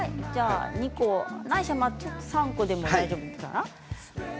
２個、ないしは３個でもいいかな？